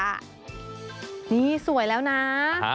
นี่สวยแล้วนะ